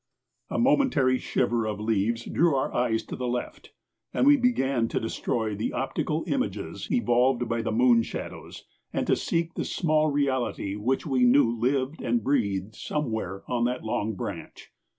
A momentary shiver of leaves drew our eyes to the left, and we began to destroy the optical images evolved by the moon shadows and to seek the small reality which we knew lived and breathed somewhere on that long branch.